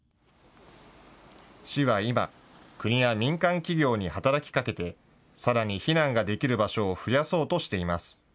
市は今、国や民間企業に働きかけて、さらに避難ができる場所を増やそうとしています。